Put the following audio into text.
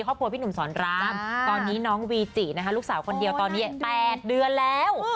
พี่หนุ่มสอนรามตอนนี้น้องวีจินะคะลูกสาวคนเดียวตอนนี้๘เดือนแล้ว